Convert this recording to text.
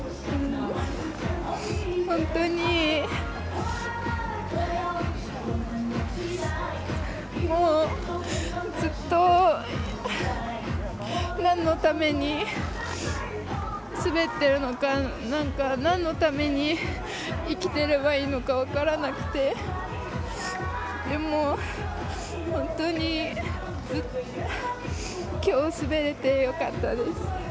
本当に、もうずっとなんのために滑っているのかなんか、なんのために生きてればいいのか分からなくてでも、本当にきょう滑れてよかったです。